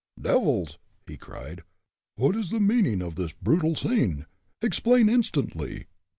"Devils!" he cried, "what is the meaning of this brutal scene? Explain instantly."